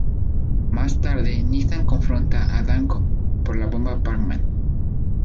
Más tarde Nathan confronta a Danko por la bomba Parkman.